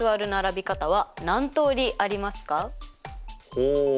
ほう。